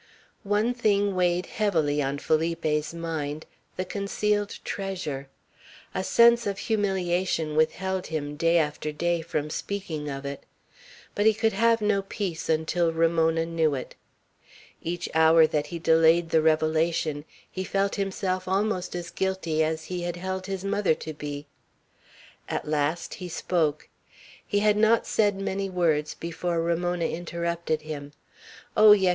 One thing weighed heavily on Felipe's mind, the concealed treasure. A sense of humiliation withheld him, day after day, from speaking of it. But he could have no peace until Ramona knew it. Each hour that he delayed the revelation he felt himself almost as guilty as he had held his mother to be. At last he spoke. He had not said many words, before Ramona interrupted him. "Oh, yes!"